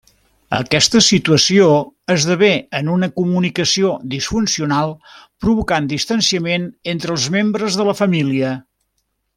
Aquesta situació esdevé en una comunicació disfuncional, provocant distanciament entre els membres de la família.